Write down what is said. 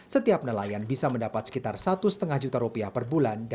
setiap nelayan bisa mendapat sekitar satu lima juta rupiah per bulan